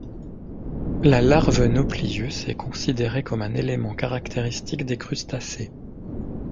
La larve nauplius est considérée comme un élément caractéristique des crustacés.